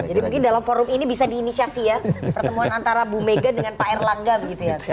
jadi mungkin dalam forum ini bisa diinisiasi ya pertemuan antara bu mega dengan pak erlangga gitu ya